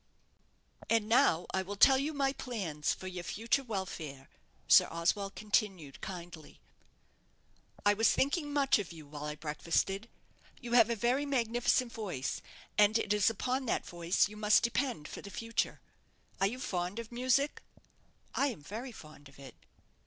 "And now I will tell you my plans for your future welfare," Sir Oswald continued, kindly. "I was thinking much of you while I breakfasted. You have a very magnificent voice; and it is upon that voice you must depend for the future. Are you fond of music?" "I am very fond of it."